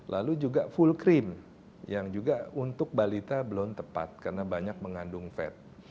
lalu juga full cream yang juga untuk balita belum tepat karena banyak mengandung fed